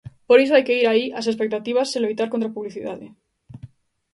Por iso hai que ir aí ás expectativas e loitar contra publicidade.